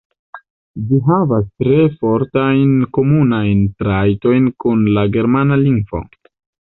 Ĝi havas tre fortajn komunajn trajtojn kun la germana lingvo.